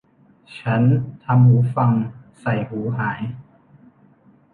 ฉันทำหูฟังใส่หูหาย